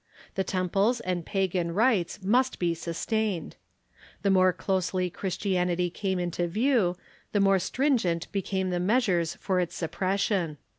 The temples and pagan rites must be sustained. The more closely Christianity came into view, the more strin o ent became the measures for its suppression.